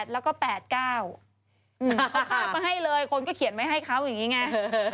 แล้วก็๘๙เอาภาพมาให้เลยคนก็เขียนไว้ให้เขาอย่างนี้ไง